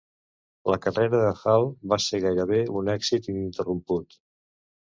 La carrera de Hall va ser gairebé un èxit ininterromput.